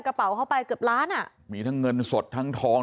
กระเป๋าเข้าไปเกือบล้านอ่ะมีทั้งเงินสดทั้งทอง